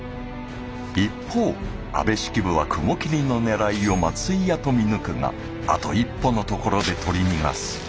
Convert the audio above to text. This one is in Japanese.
一方安部式部は雲霧の狙いを松井屋と見抜くがあと一歩のところで取り逃がす。